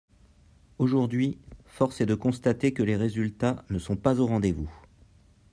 Aujourd’hui, force est de constater que les résultats ne sont pas au rendez-vous.